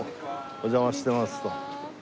お邪魔してます。